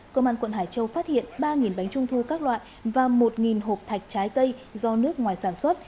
công an quận hải châu phát hiện ba bánh trung thu các loại và một hộp thạch trái cây do nước ngoài sản xuất